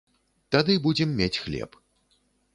Тады будзем мець хлеб.